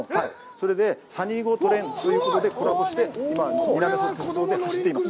それで、サニー号トレインということでコラボして、走っています。